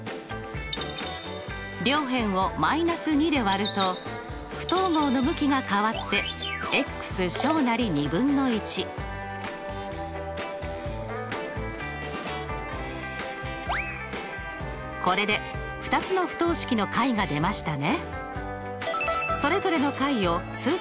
両辺を−２で割ると不等号の向きが変わってこれで２つの不等式の解が出ましたね。